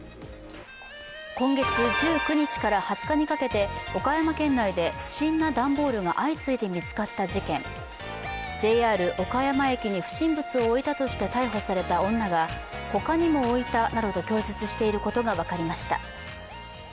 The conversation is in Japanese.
今月１９日から２０日にかけて岡山県内で不審な段ボールが相次いで見つかった事件、ＪＲ岡山駅に不審物を置いたとして逮捕された女が他にも置いたなどと供述していることが分かりました。